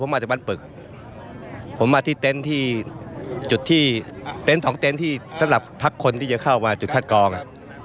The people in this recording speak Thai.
มาจากบ้านปึกผมมาที่เต็นต์ที่จุดที่เต็นต์สองเต็นต์ที่สำหรับพักคนที่จะเข้ามาจุดคัดกรองอ่ะ